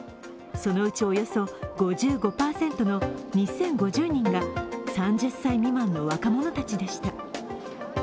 そのうちおよそ５５％の２０５０人が３０歳未満の若者たちでした。